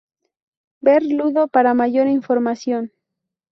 Ver Ludo para mayor información.